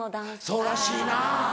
そうらしいな。